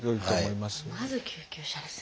まず救急車ですね。